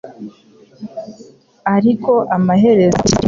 ariko amaherezo aza gushyikiriza kopi umukozi